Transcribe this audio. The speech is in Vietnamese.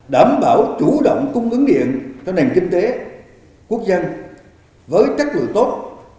đảm bảo chủ động cung ứng điện cho nền kinh tế quốc dân với chất lượng tốt